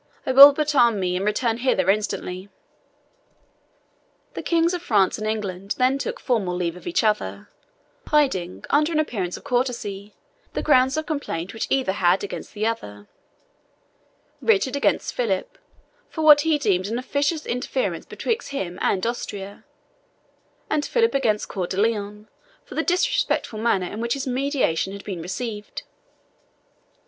I will but arm me, and return hither instantly." The Kings of France and England then took formal leave of each other, hiding, under an appearance of courtesy, the grounds of complaint which either had against the other Richard against Philip, for what he deemed an officious interference betwixt him and Austria, and Philip against Coeur de Lion, for the disrespectful manner in which his mediation had been received.